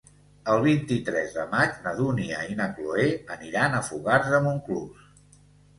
El vint-i-tres de maig na Dúnia i na Cloè aniran a Fogars de Montclús.